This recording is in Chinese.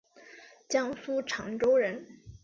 江苏长洲人。